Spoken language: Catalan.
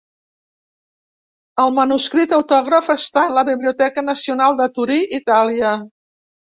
El manuscrit autògraf està en la Biblioteca Nacional de Torí, Itàlia.